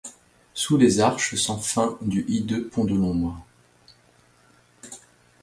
Sous les arches sans fin du hideux pont de l’ombre !